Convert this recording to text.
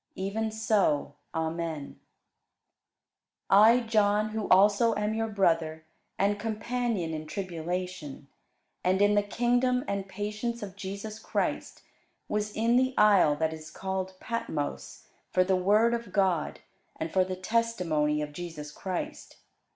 Even so, Amen. [Sidenote: Rev. 4] I John, who also am your brother, and companion in tribulation, and in the kingdom and patience of Jesus Christ, was in the isle that is called Patmos, for the word of God, and for the testimony of Jesus Christ.